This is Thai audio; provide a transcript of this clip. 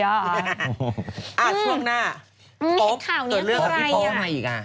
อ่าช่วงหน้าโป๊ปตัวเรื่องของพี่โป๊ปอะไรอีกอ่ะ